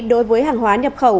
đối với hàng hóa nhập khẩu